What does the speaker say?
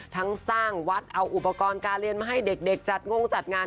สร้างวัดเอาอุปกรณ์การเรียนมาให้เด็กจัดงงจัดงาน